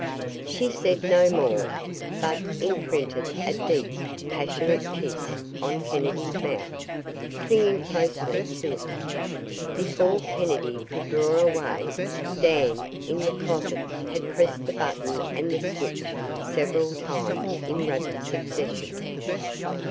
She said no more, but imprinted a deep, passionate kiss on Kennedy's mouth, clinging closely to him. Before Kennedy could draw away, Dan, in the closet, had pressed the button and the switch several times in rapid succession.